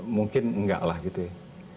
mungkin enggak lah gitu ya